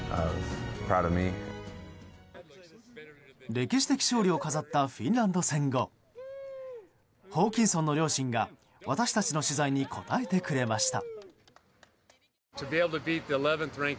歴史的勝利を飾ったフィンランド戦後ホーキンソンの両親が私たちの取材に答えてくれました。